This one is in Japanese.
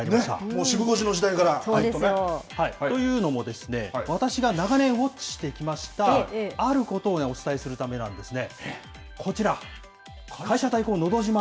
そうですね。というのもですね、私が長年ウォッチしてきました、あることをお伝えするためなんですね。